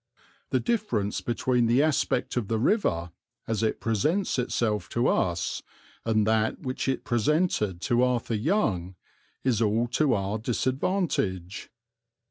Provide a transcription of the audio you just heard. The difference between the aspect of the river, as it presents itself to us, and that which it presented to Arthur Young is all to our disadvantage.